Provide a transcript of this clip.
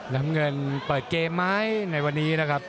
น้ำเงินเปิดเกมไหมในวันนี้นะครับ